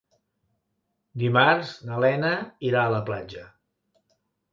Dimarts na Lena irà a la platja.